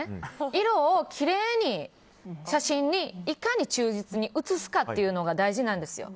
色をきれいに写真にいかに忠実に写すかというのが大事なんですよ。